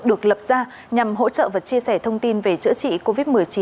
được lập ra nhằm hỗ trợ và chia sẻ thông tin về chữa trị covid một mươi chín